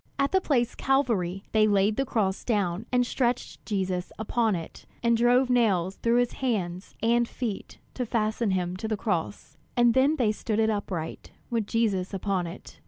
At the place Calvary, they laid the cross down, and stretched Jesus upon it, and drove nails through his hands and feet to fasten him to the cross; and then they stood it upright with Jesus upon it.